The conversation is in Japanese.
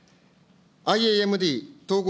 ＩＡＭＤ・統合